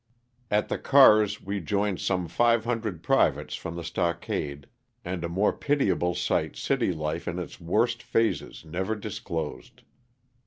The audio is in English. At the cars we joined some 500 privates from the stockade, and a more pitiable sight city life in its worst phases never disclosed.